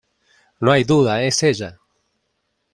¡ no hay duda, es ella!